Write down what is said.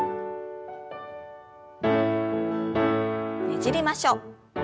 ねじりましょう。